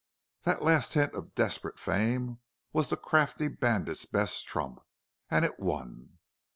That last hint of desperate fame was the crafty bandit's best trump. And it won.